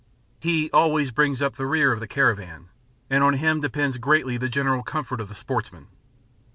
He always brings up the rear of the caravan, and on him depends greatly the general comfort of the sportsman.